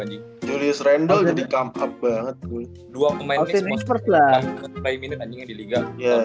dua main knicks lima lima minute anjingnya di liga